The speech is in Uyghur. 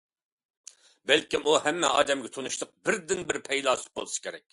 بەلكىم ئۇ ھەممە ئادەمگە تونۇشلۇق بىردىنبىر پەيلاسوپ بولسا كېرەك.